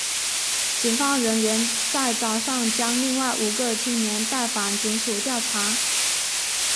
警方人员在早上将另外五个青年带返警署调查。